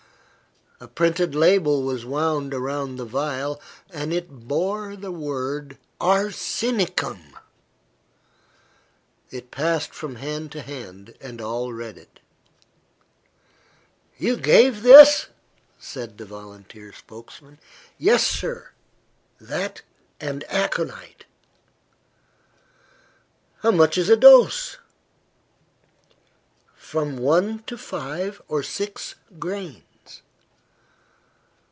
A printed label was wound around the vial, and it bore the word "Arsenicum." It passed from hand to hand, and all read it. "You gave this?" said the volunteer spokesman. "Yes, sir; that and aconite." "How much is a dose?" "From one to five or six grains."